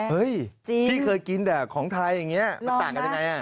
เฮ้ยพี่เคยกินแบบของไทยอย่างเงี้ยมันต่างกันยังไงอ่ะ